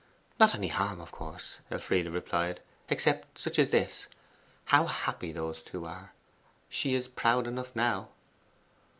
'Not any harm, of course,' Elfride replied, 'except such as this: "How happy those two are! she is proud enough now."